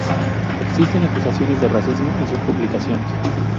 Existen acusaciones de racismo en sus publicaciones.